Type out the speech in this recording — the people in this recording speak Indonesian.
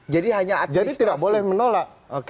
jadi tidak boleh menolak